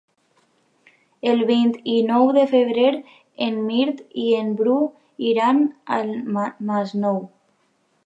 El vint-i-nou de febrer en Mirt i en Bru iran al Masnou.